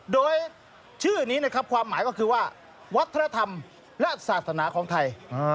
โดยชื่อนี้นะครับความหมายก็คือว่าวัฒนธรรมและศาสนาของไทย